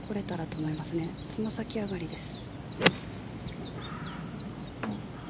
つま先上がりです。